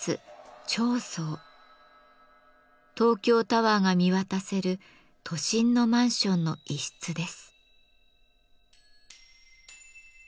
東京タワーが見渡せる都心のマンションの一室です。